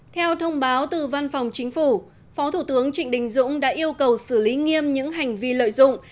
theo thông báo từ văn phòng chính phủ phó thủ tướng trịnh đình dũng đã yêu cầu xử lý nghiêm những hành vi lợi dụng